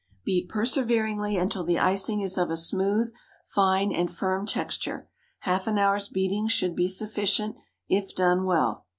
Beat perseveringly until the icing is of a smooth, fine, and firm texture. Half an hour's beating should be sufficient, if done well.